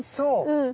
うん。